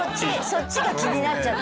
そっちが気になっちゃって。